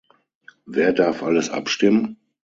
Wer darf alles abstimmen?